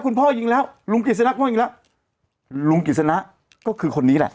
พ่อยิงแล้วลุงกิจสนะพ่อยิงแล้วลุงกิจสนะก็คือคนนี้แหละ